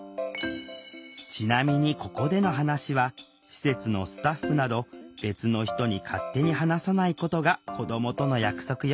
ちなみにここでの話は施設のスタッフなど別の人に勝手に話さないことが子どもとの約束よ。